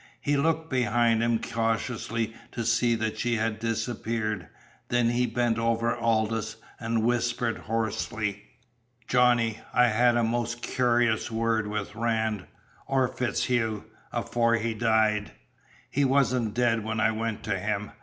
He looked behind him cautiously to see that she had disappeared, then he bent over Aldous, and whispered hoarsely: "Johnny, I had a most cur'ous word with Rann or FitzHugh afore he died! He wasn't dead when I went to him.